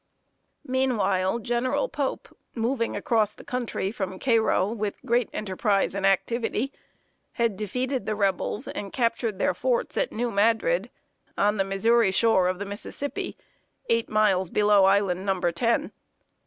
Meanwhile, General Pope, moving across the country from Cairo with great enterprise and activity, had defeated the Rebels and captured their forts at New Madrid, on the Missouri shore of the Mississippi, eight miles below Island Number Ten.